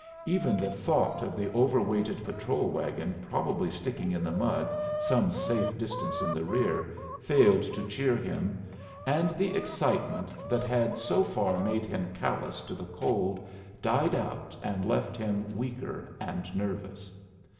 Even the thought of the over weighted patrol wagon probably sticking in the mud some safe distance in the rear, failed to cheer him, and the excitement that had so far made him callous to the cold died out and left him weaker and nervous.